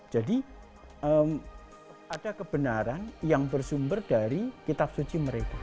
jadi ada kebenaran yang bersumber dari kitab suci mereka